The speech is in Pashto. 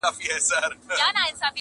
o واده د الله داد، پکښي غورځي مولا داد!